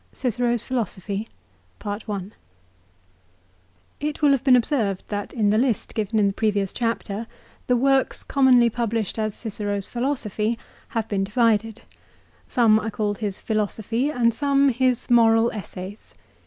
CICERO'S PHILOSOPHY, IT will have been observed that in the list given in the previous chapter the works commonly published as Cicero's philosophy have been divided. Some are called his Philo sophy and some his Moral Essays.